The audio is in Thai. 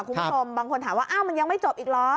คุณผู้ชมบางคนถามว่าอ้าวมันยังไม่จบอีกเหรอ